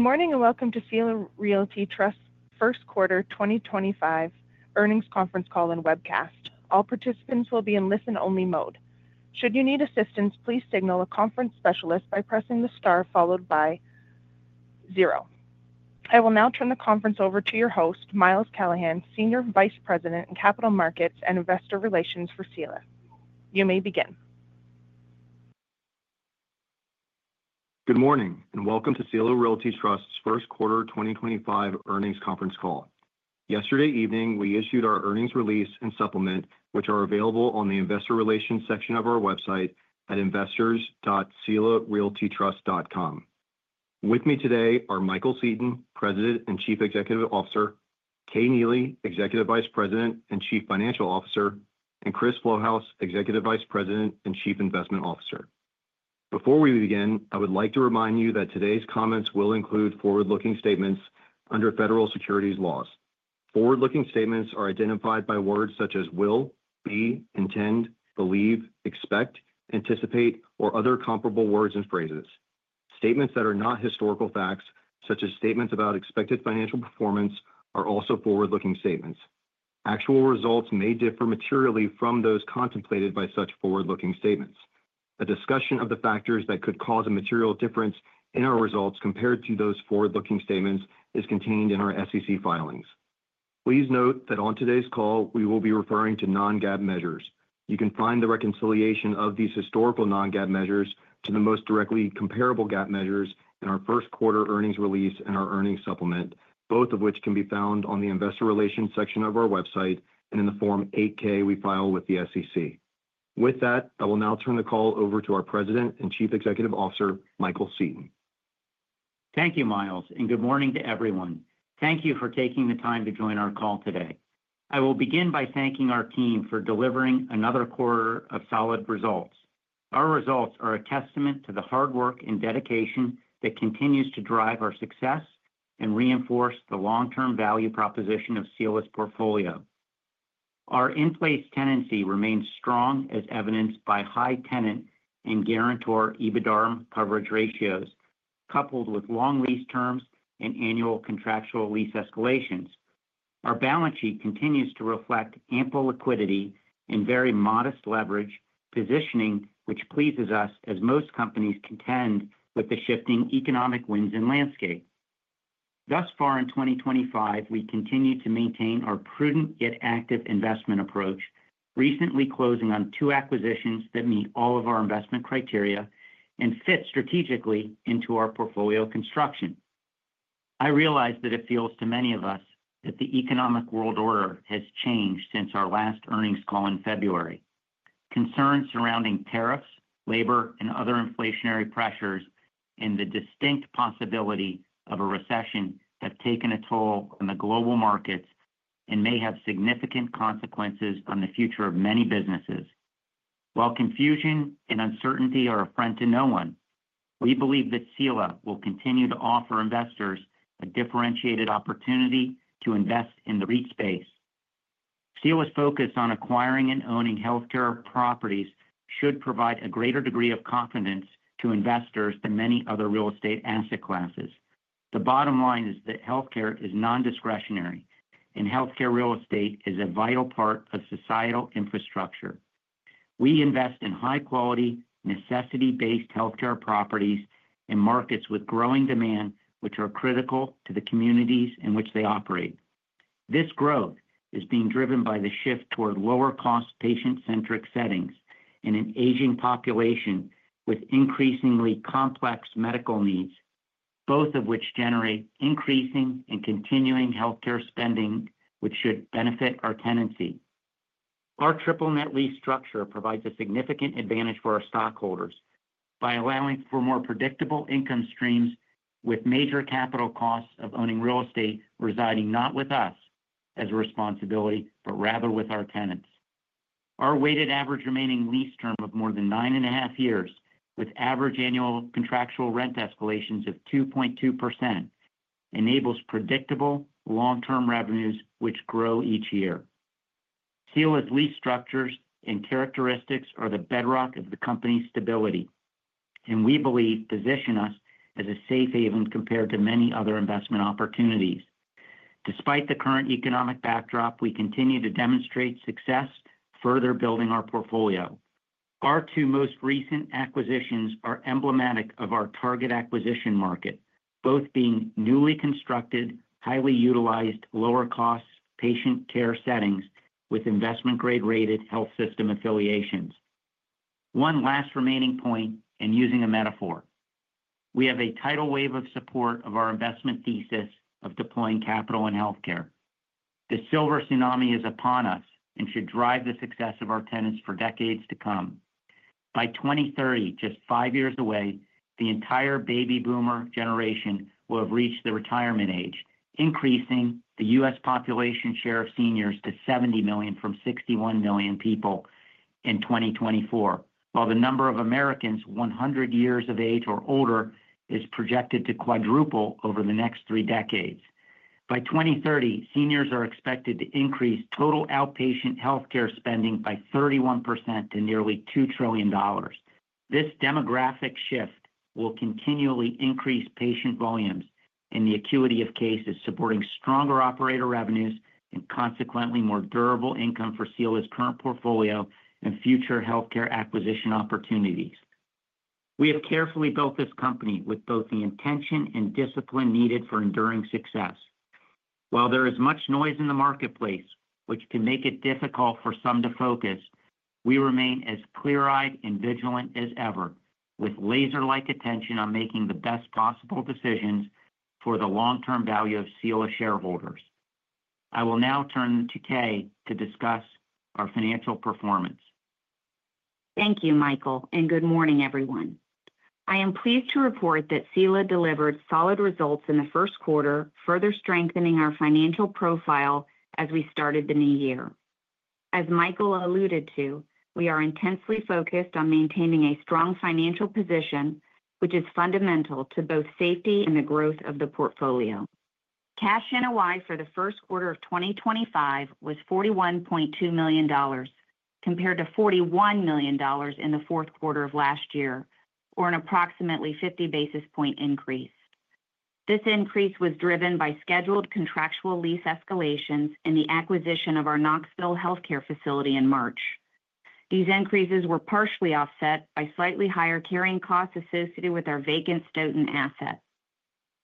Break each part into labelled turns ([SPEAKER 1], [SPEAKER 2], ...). [SPEAKER 1] Good morning and welcome to Sila Realty Trust's first quarter 2025 earnings conference call and webcast. All participants will be in listen-only mode. Should you need assistance, please signal a conference specialist by pressing the star followed by zero. I will now turn the conference over to your host, Miles Callahan, Senior Vice President in Capital Markets and Investor Relations for Sila. You may begin.
[SPEAKER 2] Good morning and welcome to Sila Realty Trust's first quarter 2025 earnings conference call. Yesterday evening, we issued our earnings release and supplement, which are available on the Investor Relations section of our website at investors.sila-realtytrust.com. With me today are Michael Seton, President and Chief Executive Officer; Kay Neely, Executive Vice President and Chief Financial Officer; and Chris Flouhouse, Executive Vice President and Chief Investment Officer. Before we begin, I would like to remind you that today's comments will include forward-looking statements under federal securities laws. Forward-looking statements are identified by words such as will, be, intend, believe, expect, anticipate, or other comparable words and phrases. Statements that are not historical facts, such as statements about expected financial performance, are also forward-looking statements. Actual results may differ materially from those contemplated by such forward-looking statements. A discussion of the factors that could cause a material difference in our results compared to those forward-looking statements is contained in our SEC filings. Please note that on today's call, we will be referring to non-GAAP measures. You can find the reconciliation of these historical non-GAAP measures to the most directly comparable GAAP measures in our first quarter earnings release and our earnings supplement, both of which can be found on the Investor Relations section of our website and in the Form 8-K we file with the SEC. With that, I will now turn the call over to our President and Chief Executive Officer, Michael Seton.
[SPEAKER 3] Thank you, Miles, and good morning to everyone. Thank you for taking the time to join our call today. I will begin by thanking our team for delivering another quarter of solid results. Our results are a testament to the hard work and dedication that continues to drive our success and reinforce the long-term value proposition of Sila's portfolio. Our in-place tenancy remains strong, as evidenced by high tenant and guarantor EBITDA coverage ratios, coupled with long lease terms and annual contractual lease escalations. Our balance sheet continues to reflect ample liquidity and very modest leverage positioning, which pleases us as most companies contend with the shifting economic winds and landscape. Thus far in 2024, we continue to maintain our prudent yet active investment approach, recently closing on two acquisitions that meet all of our investment criteria and fit strategically into our portfolio construction. I realize that it feels to many of us that the economic world order has changed since our last earnings call in February. Concerns surrounding tariffs, labor, and other inflationary pressures and the distinct possibility of a recession have taken a toll on the global markets and may have significant consequences on the future of many businesses. While confusion and uncertainty are a friend to no one, we believe that Sila will continue to offer investors a differentiated opportunity to invest in the REIT space. Sila's focus on acquiring and owning healthcare properties should provide a greater degree of confidence to investors than many other real estate asset classes. The bottom line is that healthcare is non-discretionary, and healthcare real estate is a vital part of societal infrastructure. We invest in high-quality, necessity-based healthcare properties in markets with growing demand, which are critical to the communities in which they operate. This growth is being driven by the shift toward lower-cost, patient-centric settings and an aging population with increasingly complex medical needs, both of which generate increasing and continuing healthcare spending, which should benefit our tenancy. Our triple-net lease structure provides a significant advantage for our stockholders by allowing for more predictable income streams, with major capital costs of owning real estate residing not with us as a responsibility, but rather with our tenants. Our weighted average remaining lease term of more than nine and a half years, with average annual contractual rent escalations of 2.2%, enables predictable long-term revenues, which grow each year. Sila's lease structures and characteristics are the bedrock of the company's stability, and we believe position us as a safe haven compared to many other investment opportunities. Despite the current economic backdrop, we continue to demonstrate success, further building our portfolio. Our two most recent acquisitions are emblematic of our target acquisition market, both being newly constructed, highly utilized, lower-cost, patient-care settings with investment-grade rated health system affiliations. One last remaining point, and using a metaphor, we have a tidal wave of support of our investment thesis of deploying capital in healthcare. The silver tsunami is upon us and should drive the success of our tenants for decades to come. By 2030, just five years away, the entire baby boomer generation will have reached the retirement age, increasing the U.S. population share of seniors to 70 million from 61 million people in 2024, while the number of Americans 100 years of age or older is projected to quadruple over the next three decades. By 2030, seniors are expected to increase total outpatient healthcare spending by 31% to nearly $2 trillion. This demographic shift will continually increase patient volumes and the acuity of cases, supporting stronger operator revenues and consequently more durable income for Sila's current portfolio and future healthcare acquisition opportunities. We have carefully built this company with both the intention and discipline needed for enduring success. While there is much noise in the marketplace, which can make it difficult for some to focus, we remain as clear-eyed and vigilant as ever, with laser-like attention on making the best possible decisions for the long-term value of Sila shareholders. I will now turn to Kay to discuss our financial performance.
[SPEAKER 4] Thank you, Michael, and good morning, everyone. I am pleased to report that Sila delivered solid results in the first quarter, further strengthening our financial profile as we started the new year. As Michael alluded to, we are intensely focused on maintaining a strong financial position, which is fundamental to both safety and the growth of the portfolio. Cash NOI for the first quarter of 2025 was $41.2 million, compared to $41 million in the fourth quarter of last year, or an approximately 50 basis point increase. This increase was driven by scheduled contractual lease escalations in the acquisition of our Knoxville healthcare facility in March. These increases were partially offset by slightly higher carrying costs associated with our vacant Stoughton asset.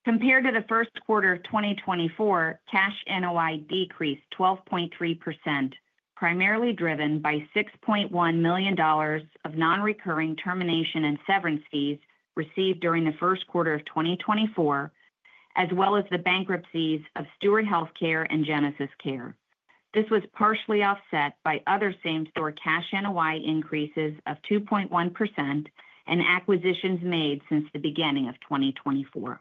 [SPEAKER 4] Compared to the first quarter of 2024, cash NOI decreased 12.3%, primarily driven by $6.1 million of non-recurring termination and severance fees received during the first quarter of 2024, as well as the bankruptcies of Steward Health Care and GenesisCare. This was partially offset by other same-store cash NOI increases of 2.1% and acquisitions made since the beginning of 2024.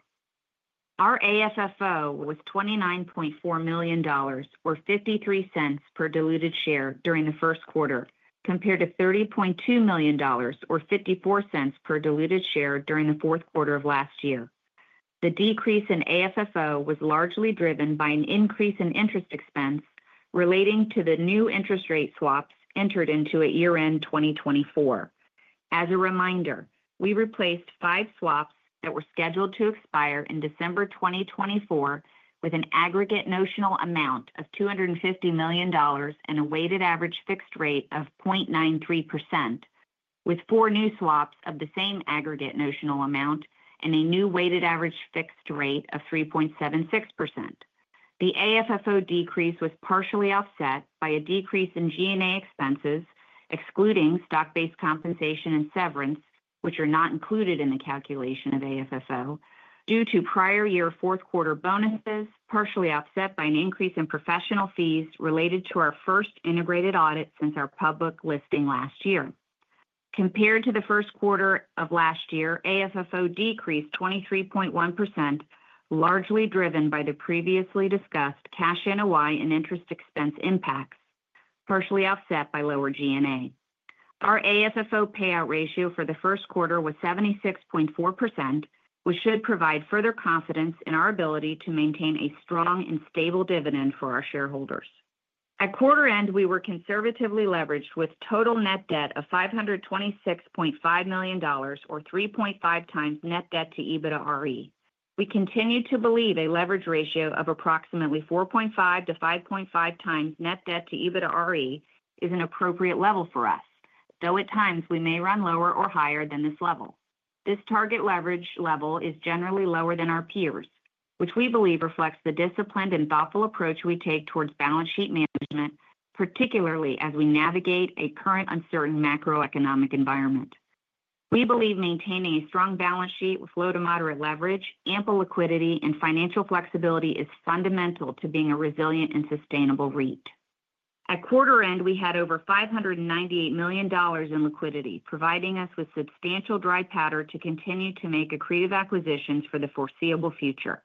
[SPEAKER 4] Our AFFO was $29.4 million, or $0.53 per diluted share during the first quarter, compared to $30.2 million, or $0.54 per diluted share during the fourth quarter of last year. The decrease in AFFO was largely driven by an increase in interest expense relating to the new interest rate swaps entered into at year-end 2024. As a reminder, we replaced five swaps that were scheduled to expire in December 2024 with an aggregate notional amount of $250 million and a weighted average fixed rate of 0.93%, with four new swaps of the same aggregate notional amount and a new weighted average fixed rate of 3.76%. The AFFO decrease was partially offset by a decrease in G&A expenses, excluding stock-based compensation and severance, which are not included in the calculation of AFFO, due to prior year fourth quarter bonuses, partially offset by an increase in professional fees related to our first integrated audit since our public listing last year. Compared to the first quarter of last year, AFFO decreased 23.1%, largely driven by the previously discussed cash NOI and interest expense impacts, partially offset by lower G&A. Our AFFO payout ratio for the first quarter was 76.4%, which should provide further confidence in our ability to maintain a strong and stable dividend for our shareholders. At quarter end, we were conservatively leveraged with total net debt of $526.5 million, or 3.5x net debt to EBITDAre. We continue to believe a leverage ratio of approximately 4.5x-5.5x net debt to EBITDAre is an appropriate level for us, though at times we may run lower or higher than this level. This target leverage level is generally lower than our peers, which we believe reflects the disciplined and thoughtful approach we take towards balance sheet management, particularly as we navigate a current uncertain macroeconomic environment. We believe maintaining a strong balance sheet with low to moderate leverage, ample liquidity, and financial flexibility is fundamental to being a resilient and sustainable REIT. At quarter end, we had over $598 million in liquidity, providing us with substantial dry powder to continue to make accretive acquisitions for the foreseeable future.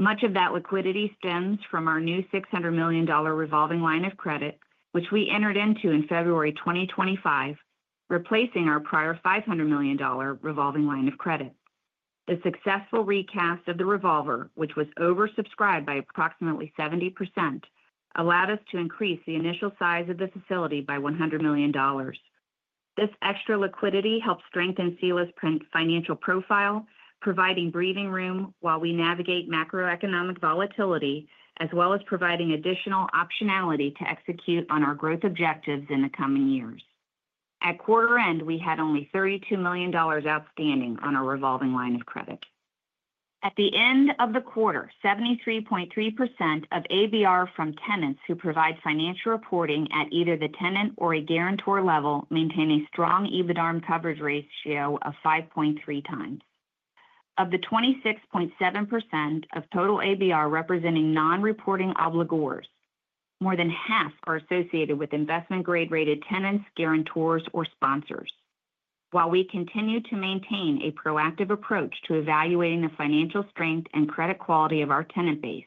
[SPEAKER 4] Much of that liquidity stems from our new $600 million revolving line of credit, which we entered into in February 2025, replacing our prior $500 million revolving line of credit. The successful recast of the revolver, which was oversubscribed by approximately 70%, allowed us to increase the initial size of the facility by $100 million. This extra liquidity helped strengthen Sila's financial profile, providing breathing room while we navigate macroeconomic volatility, as well as providing additional optionality to execute on our growth objectives in the coming years. At quarter end, we had only $32 million outstanding on our revolving line of credit. At the end of the quarter, 73.3% of ABR from tenants who provide financial reporting at either the tenant or a guarantor level maintain a strong EBITDA coverage ratio of 5.3 times. Of the 26.7% of total ABR representing non-reporting obligors, more than half are associated with investment-grade rated tenants, guarantors, or sponsors. While we continue to maintain a proactive approach to evaluating the financial strength and credit quality of our tenant base,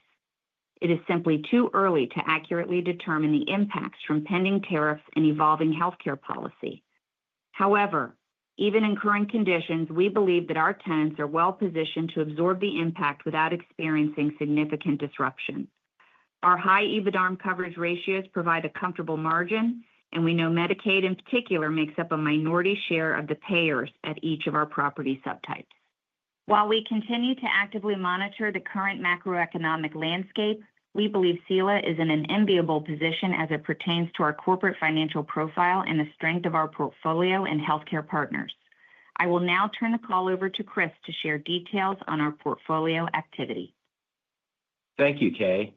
[SPEAKER 4] it is simply too early to accurately determine the impacts from pending tariffs and evolving healthcare policy. However, even in current conditions, we believe that our tenants are well-positioned to absorb the impact without experiencing significant disruption. Our high EBITDA coverage ratios provide a comfortable margin, and we know Medicaid in particular makes up a minority share of the payers at each of our property subtypes. While we continue to actively monitor the current macroeconomic landscape, we believe Sila is in an enviable position as it pertains to our corporate financial profile and the strength of our portfolio and healthcare partners. I will now turn the call over to Chris to share details on our portfolio activity.
[SPEAKER 5] Thank you, Kay.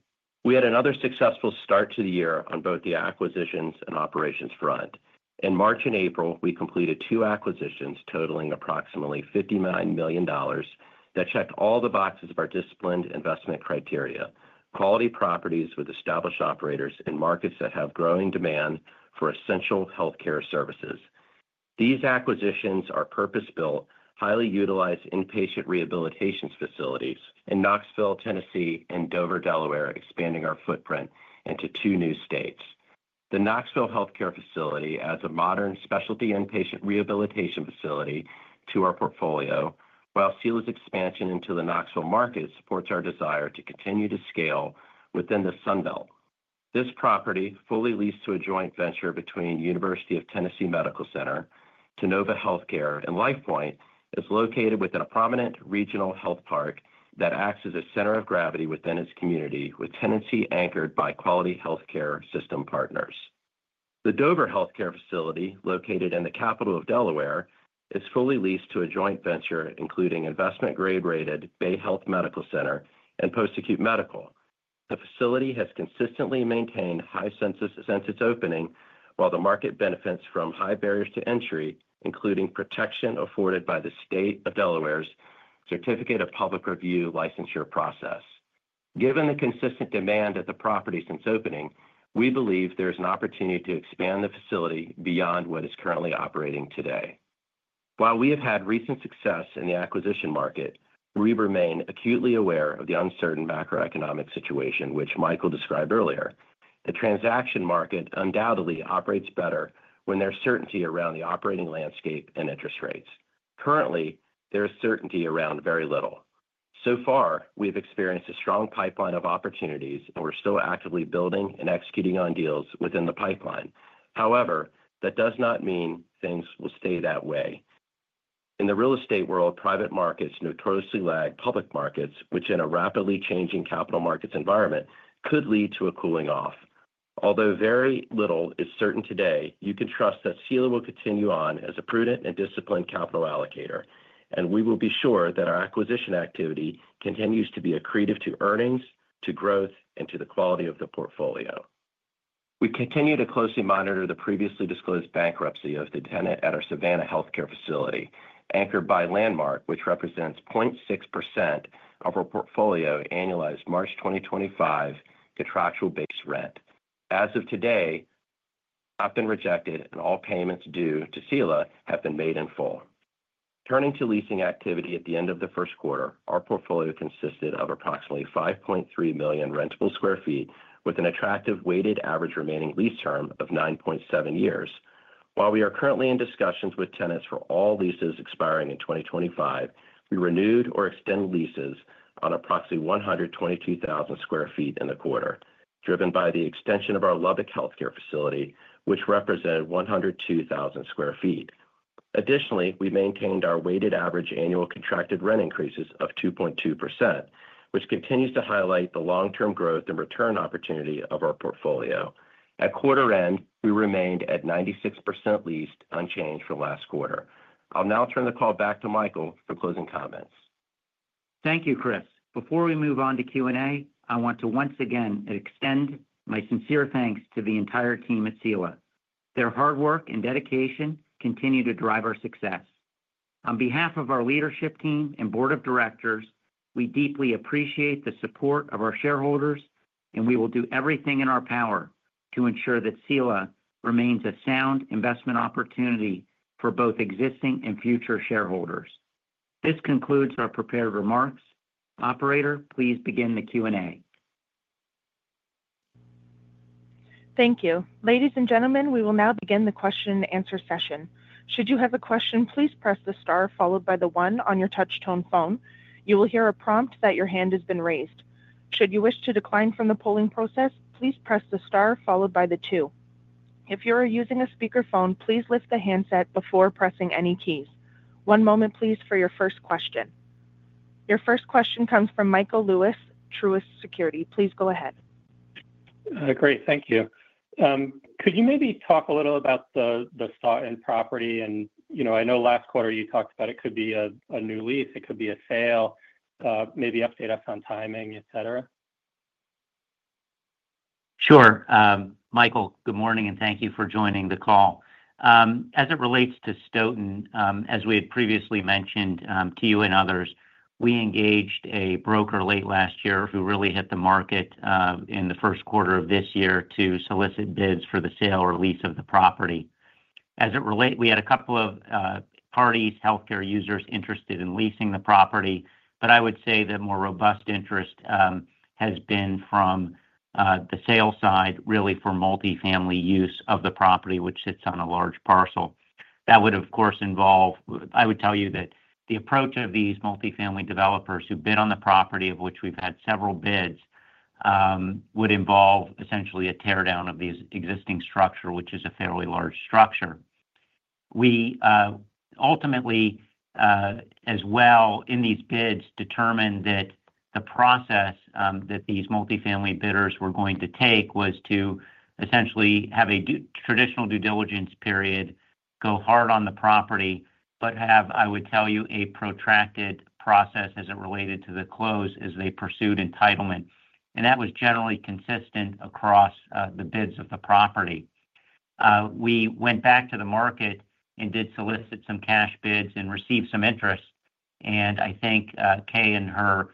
[SPEAKER 5] We had another successful start to the year on both the acquisitions and operations front. In March and April, we completed two acquisitions totaling approximately $59 million that checked all the boxes of our disciplined investment criteria: quality properties with established operators in markets that have growing demand for essential healthcare services. These acquisitions are purpose-built, highly utilized inpatient rehabilitation facilities in Knoxville, Tennessee, and Dover, Delaware, expanding our footprint into two new states. The Knoxville healthcare facility adds a modern specialty inpatient rehabilitation facility to our portfolio, while Sila's expansion into the Knoxville market supports our desire to continue to scale within the Sunbelt. This property, fully leased to a joint venture between University of Tennessee Medical Center, Tenet Healthcare, and LifePoint Health, is located within a prominent regional health park that acts as a center of gravity within its community, with tenancy anchored by quality healthcare system partners. The Dover healthcare facility, located in the capital of Delaware, is fully leased to a joint venture, including investment-grade rated Bayhealth Medical Center and Post-Acute Medical. The facility has consistently maintained high census opening, while the market benefits from high barriers to entry, including protection afforded by the state of Delaware's Certificate of Public Review licensure process. Given the consistent demand at the property since opening, we believe there is an opportunity to expand the facility beyond what it's currently operating today. While we have had recent success in the acquisition market, we remain acutely aware of the uncertain macroeconomic situation, which Michael described earlier. The transaction market undoubtedly operates better when there's certainty around the operating landscape and interest rates. Currently, there is certainty around very little. So far, we have experienced a strong pipeline of opportunities, and we're still actively building and executing on deals within the pipeline. However, that does not mean things will stay that way. In the real estate world, private markets notoriously lag public markets, which, in a rapidly changing capital markets environment, could lead to a cooling off. Although very little is certain today, you can trust that Sila will continue on as a prudent and disciplined capital allocator, and we will be sure that our acquisition activity continues to be accretive to earnings, to growth, and to the quality of the portfolio. We continue to closely monitor the previously disclosed bankruptcy of the tenant at our Savannah healthcare facility, anchored by Landmark, which represents 0.6% of our portfolio annualized March 2025 contractual-based rent. As of today, nothing rejected, and all payments due to Sila have been made in full. Turning to leasing activity at the end of the first quarter, our portfolio consisted of approximately 5.3 million rentable sq ft, with an attractive weighted average remaining lease term of 9.7 years. While we are currently in discussions with tenants for all leases expiring in 2025, we renewed or extended leases on approximately 122,000 sq ft in the quarter, driven by the extension of our Lubbock healthcare facility, which represented 102,000 sq ft. Additionally, we maintained our weighted average annual contracted rent increases of 2.2%, which continues to highlight the long-term growth and return opportunity of our portfolio. At quarter end, we remained at 96% leased unchanged from last quarter. I'll now turn the call back to Michael for closing comments.
[SPEAKER 3] Thank you, Chris. Before we move on to Q&A, I want to once again extend my sincere thanks to the entire team at Sila. Their hard work and dedication continue to drive our success. On behalf of our leadership team and board of directors, we deeply appreciate the support of our shareholders, and we will do everything in our power to ensure that Sila remains a sound investment opportunity for both existing and future shareholders. This concludes our prepared remarks. Operator, please begin the Q&A.
[SPEAKER 1] Thank you. Ladies and gentlemen, we will now begin the question-and-answer session. Should you have a question, please press the star followed by the one on your touch-tone phone. You will hear a prompt that your hand has been raised. Should you wish to decline from the polling process, please press the star followed by the two. If you are using a speakerphone, please lift the handset before pressing any keys. One moment, please, for your first question. Your first question comes from Michael Lewis, Truist Securities. Please go ahead.
[SPEAKER 6] Great. Thank you. Could you maybe talk a little about the thought in property? I know last quarter you talked about it could be a new lease, it could be a sale, maybe update us on timing, etc.
[SPEAKER 3] Sure. Michael, good morning, and thank you for joining the call. As it relates to Stoughton, as we had previously mentioned to you and others, we engaged a broker late last year who really hit the market in the first quarter of this year to solicit bids for the sale or lease of the property. As it relates, we had a couple of parties, healthcare users interested in leasing the property, but I would say the more robust interest has been from the sale side, really for multifamily use of the property, which sits on a large parcel. That would, of course, involve—I would tell you that the approach of these multifamily developers who bid on the property, of which we've had several bids, would involve essentially a tear down of the existing structure, which is a fairly large structure. We ultimately, as well in these bids, determined that the process that these multifamily bidders were going to take was to essentially have a traditional due diligence period, go hard on the property, but have, I would tell you, a protracted process as it related to the close as they pursued entitlement. That was generally consistent across the bids of the property. We went back to the market and did solicit some cash bids and received some interest. I think Kay in her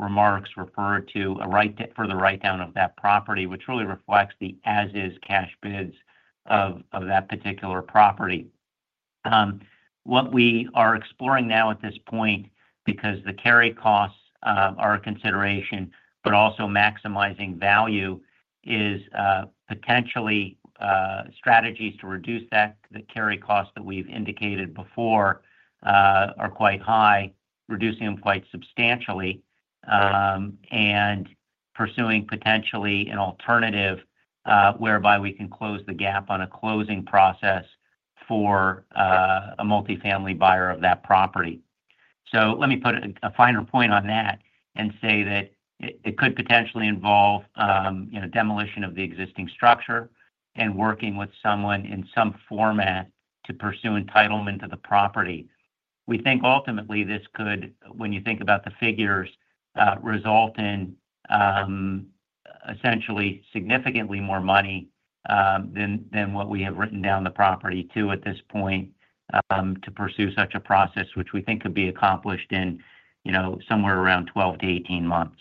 [SPEAKER 3] remarks referred to a write-down of that property, which really reflects the as-is cash bids of that particular property. What we are exploring now at this point, because the carry costs are a consideration, but also maximizing value, is potentially strategies to reduce that. The carry costs that we've indicated before are quite high, reducing them quite substantially, and pursuing potentially an alternative whereby we can close the gap on a closing process for a multifamily buyer of that property. Let me put a finer point on that and say that it could potentially involve demolition of the existing structure and working with someone in some format to pursue entitlement to the property. We think ultimately this could, when you think about the figures, result in essentially significantly more money than what we have written down the property to at this point to pursue such a process, which we think could be accomplished in somewhere around 12-18 months.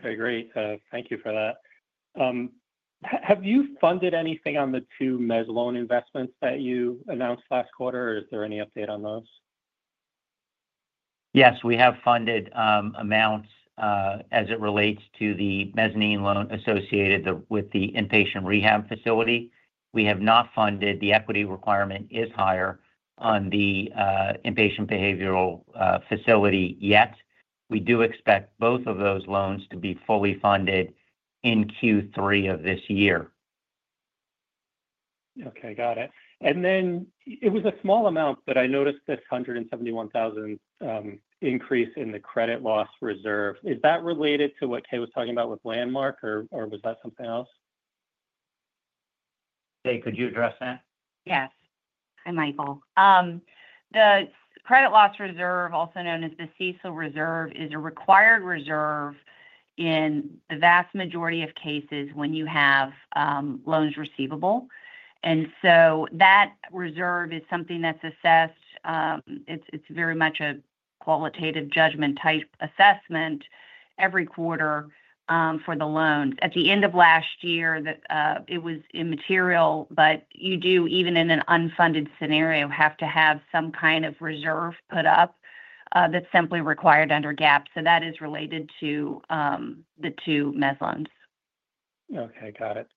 [SPEAKER 6] Okay. Great. Thank you for that. Have you funded anything on the two mezz loan investments that you announced last quarter, or is there any update on those?
[SPEAKER 3] Yes, we have funded amounts as it relates to the mezzanine loan associated with the inpatient rehab facility. We have not funded. The equity requirement is higher on the inpatient behavioral facility yet. We do expect both of those loans to be fully funded in Q3 of this year.
[SPEAKER 6] Okay. Got it. And then it was a small amount, but I noticed this $171,000 increase in the credit loss reserve. Is that related to what Kay was talking about with Landmark, or was that something else?
[SPEAKER 3] Kay, could you address that?
[SPEAKER 4] Yes. I'm Michael. The credit loss reserve, also known as the CECL reserve, is a required reserve in the vast majority of cases when you have loans receivable. That reserve is something that's assessed. It's very much a qualitative judgment-type assessment every quarter for the loans. At the end of last year, it was immaterial, but you do, even in an unfunded scenario, have to have some kind of reserve put up that's simply required under GAAP. That is related to the two mezz loans.
[SPEAKER 6] Okay. Got it.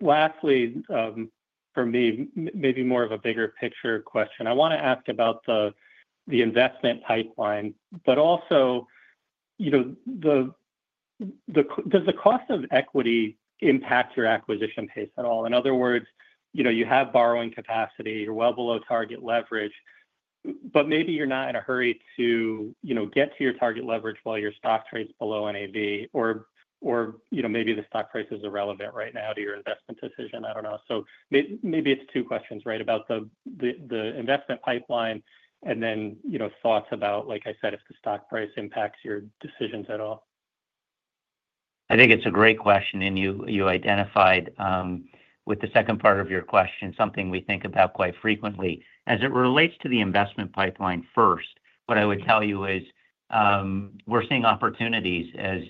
[SPEAKER 6] Lastly, for me, maybe more of a bigger picture question, I want to ask about the investment pipeline, but also does the cost of equity impact your acquisition pace at all? In other words, you have borrowing capacity, you're well below target leverage, but maybe you're not in a hurry to get to your target leverage while your stock trades below NAV, or maybe the stock price is irrelevant right now to your investment decision. I don't know. Maybe it's two questions, right, about the investment pipeline and then thoughts about, like I said, if the stock price impacts your decisions at all.
[SPEAKER 3] I think it's a great question, and you identified with the second part of your question something we think about quite frequently. As it relates to the investment pipeline first, what I would tell you is we're seeing opportunities, as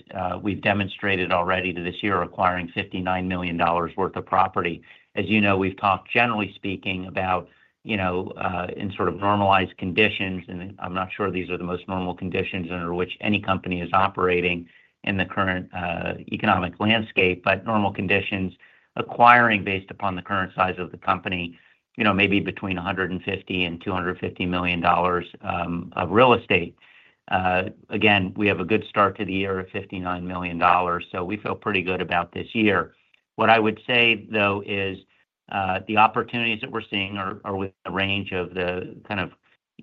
[SPEAKER 3] we've demonstrated already this year, acquiring $59 million worth of property. As you know, we've talked, generally speaking, about in sort of normalized conditions, and I'm not sure these are the most normal conditions under which any company is operating in the current economic landscape, but normal conditions acquiring based upon the current size of the company maybe between $150 million and $250 million of real estate. Again, we have a good start to the year at $59 million, so we feel pretty good about this year. What I would say, though, is the opportunities that we're seeing are within the range of the kind of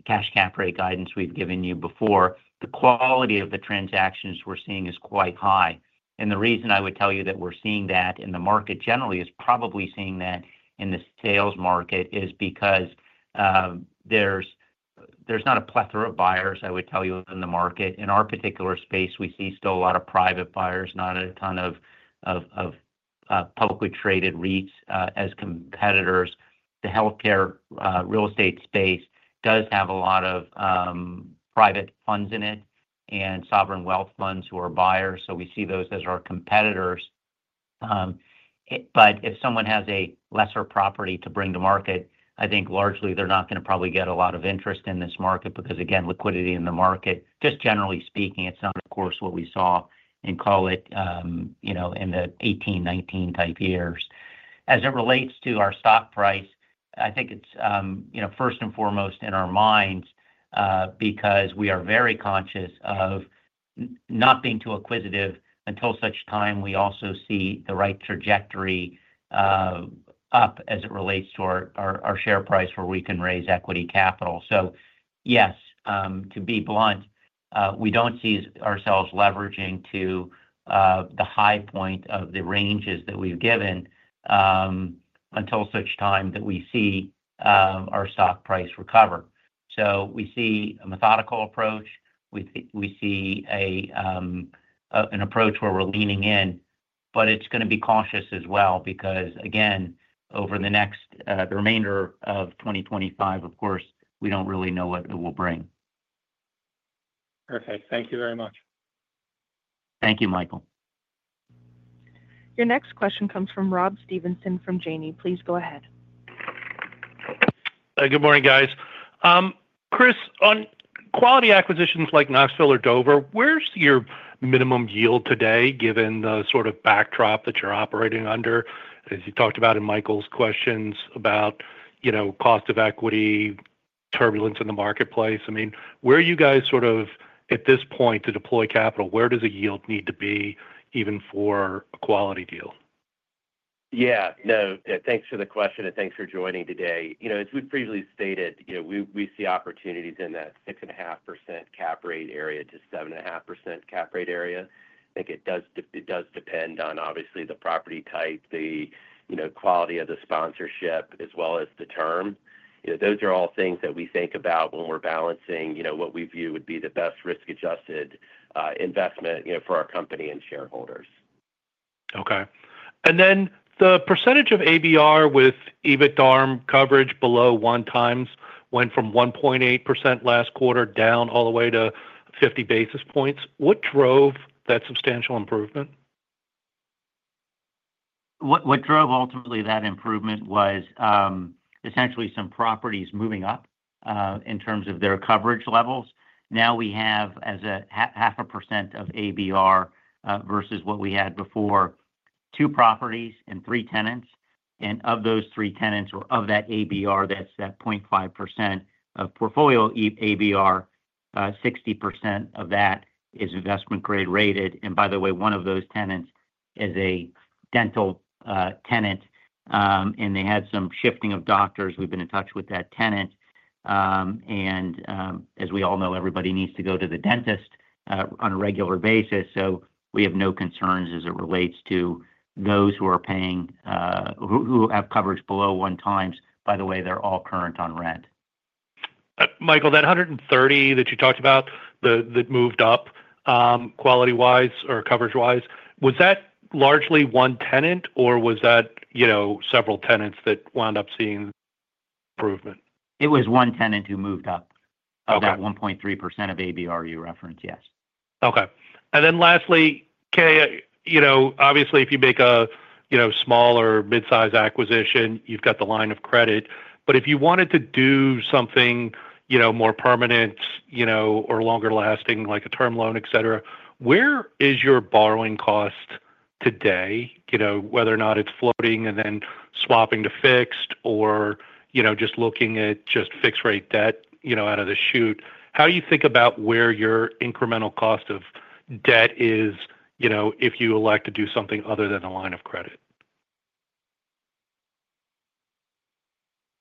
[SPEAKER 3] cash cap rate guidance we've given you before. The quality of the transactions we're seeing is quite high. The reason I would tell you that we're seeing that in the market generally is probably seeing that in the sales market is because there's not a plethora of buyers, I would tell you, in the market. In our particular space, we see still a lot of private buyers, not a ton of publicly traded REITs as competitors. The healthcare real estate space does have a lot of private funds in it and sovereign wealth funds who are buyers, so we see those as our competitors. If someone has a lesser property to bring to market, I think largely they're not going to probably get a lot of interest in this market because, again, liquidity in the market, just generally speaking, it's not, of course, what we saw in, call it, in the 2018, 2019 type years. As it relates to our stock price, I think it's first and foremost in our minds because we are very conscious of not being too acquisitive until such time we also see the right trajectory up as it relates to our share price where we can raise equity capital. Yes, to be blunt, we don't see ourselves leveraging to the high point of the ranges that we've given until such time that we see our stock price recover. We see a methodical approach. We see an approach where we're leaning in, but it's going to be cautious as well because, again, over the remainder of 2025, of course, we don't really know what it will bring.
[SPEAKER 6] Perfect. Thank you very much.
[SPEAKER 3] Thank you, Michael.
[SPEAKER 1] Your next question comes from Rob Stevenson from Janney. Please go ahead.
[SPEAKER 7] Good morning, guys. Chris, on quality acquisitions like Knoxville or Dover, where's your minimum yield today given the sort of backdrop that you're operating under? As you talked about in Michael's questions about cost of equity, turbulence in the marketplace, I mean, where are you guys sort of at this point to deploy capital? Where does the yield need to be even for a quality deal?
[SPEAKER 5] Yeah. No, thanks for the question, and thanks for joining today. As we've previously stated, we see opportunities in that 6.5% cap rate area to 7.5% cap rate area. I think it does depend on, obviously, the property type, the quality of the sponsorship, as well as the term. Those are all things that we think about when we're balancing what we view would be the best risk-adjusted investment for our company and shareholders.
[SPEAKER 7] Okay. The percentage of ABR with EBITDA coverage below one times went from 1.8% last quarter down all the way to 50 basis points. What drove that substantial improvement?
[SPEAKER 3] What drove ultimately that improvement was essentially some properties moving up in terms of their coverage levels. Now we have as a half a percent of ABR versus what we had before, two properties and three tenants. Of those three tenants or of that ABR, that is that 0.5% of portfolio ABR, 60% of that is investment-grade rated. By the way, one of those tenants is a dental tenant, and they had some shifting of doctors. We have been in touch with that tenant. As we all know, everybody needs to go to the dentist on a regular basis. We have no concerns as it relates to those who are paying who have coverage below one times. By the way, they are all current on rent.
[SPEAKER 7] Michael, that 130 that you talked about that moved up quality-wise or coverage-wise, was that largely one tenant, or was that several tenants that wound up seeing improvement?
[SPEAKER 3] It was one tenant who moved up of that 1.3% of ABR you referenced, yes.
[SPEAKER 7] Okay. And then lastly, Kay, obviously, if you make a small or mid-size acquisition, you've got the line of credit. If you wanted to do something more permanent or longer-lasting, like a term loan, etc., where is your borrowing cost today, whether or not it's floating and then swapping to fixed or just looking at just fixed-rate debt out of the chute? How do you think about where your incremental cost of debt is if you elect to do something other than the line of credit?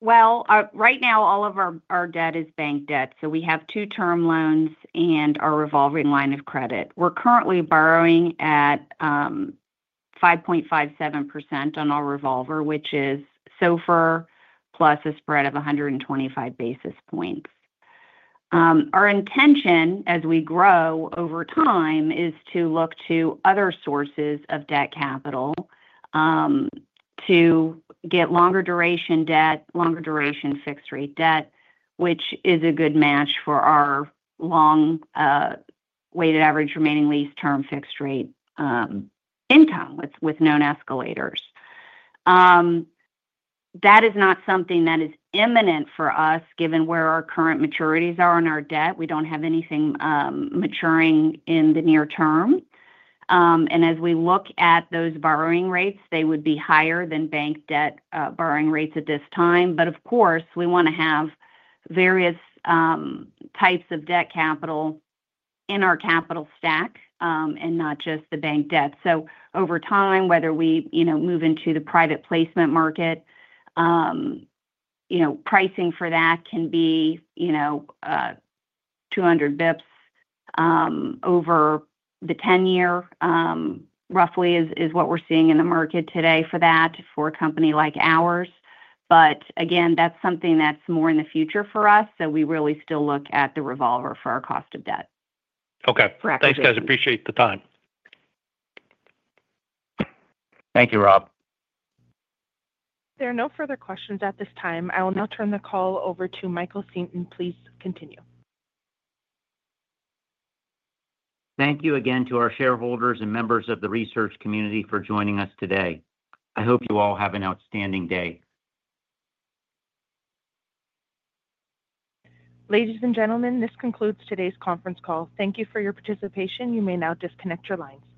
[SPEAKER 4] Right now, all of our debt is bank debt. We have two term loans and our revolving line of credit. We're currently borrowing at 5.57% on our revolver, which is SOFR plus a spread of 125 basis points. Our intention, as we grow over time, is to look to other sources of debt capital to get longer duration debt, longer duration fixed-rate debt, which is a good match for our long weighted average remaining lease term fixed-rate income with known escalators. That is not something that is imminent for us given where our current maturities are on our debt. We do not have anything maturing in the near term. As we look at those borrowing rates, they would be higher than bank debt borrowing rates at this time. Of course, we want to have various types of debt capital in our capital stack and not just the bank debt. Over time, whether we move into the private placement market, pricing for that can be 200 basis points over the 10-year, roughly, is what we're seeing in the market today for that for a company like ours. Again, that's something that's more in the future for us. We really still look at the revolver for our cost of debt.
[SPEAKER 7] Okay. Thanks, guys. Appreciate the time.
[SPEAKER 3] Thank you, Rob.
[SPEAKER 1] There are no further questions at this time. I will now turn the call over to Michael Seton. Please continue.
[SPEAKER 3] Thank you again to our shareholders and members of the research community for joining us today. I hope you all have an outstanding day.
[SPEAKER 1] Ladies and gentlemen, this concludes today's conference call. Thank you for your participation. You may now disconnect your lines.